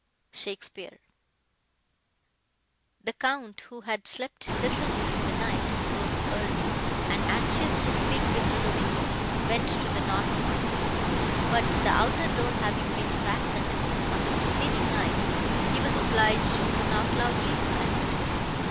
SHAKESPEARE The Count, who had slept little during the night, rose early, and, anxious to speak with Ludovico, went to the north apartment; but, the outer door having been fastened, on the preceding night, he was obliged to knock loudly for admittance.